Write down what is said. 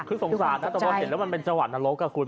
คือสงสารนะตอนเราเห็นแล้วมันเป็นจวัดนรกค่ะคุณ